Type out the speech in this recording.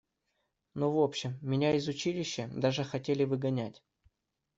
Ну, в общем, меня из училища даже хотели выгонять.